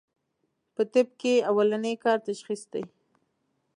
پۀ طب کښې اولنی کار تشخيص دی